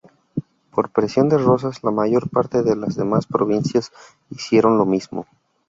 Por presión de Rosas, la mayor parte de las demás provincias hicieron lo mismo.